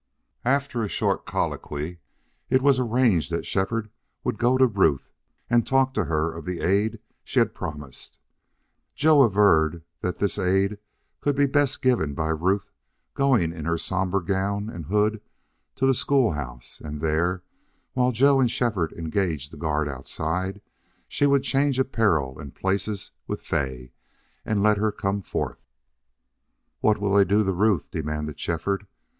After a short colloquy it was arranged that Shefford would go to Ruth and talk to her of the aid she had promised. Joe averred that this aid could be best given by Ruth going in her somber gown and hood to the school house, and there, while Joe and Shefford engaged the guards outside, she would change apparel and places with Fay and let her come forth. "What'll they do to Ruth?" demanded Shefford.